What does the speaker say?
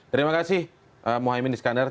terima kasih mohaimin iskandar